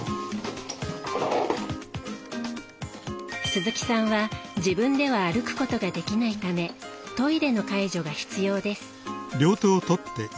鈴木さんは自分では歩くことができないためトイレの介助が必要です。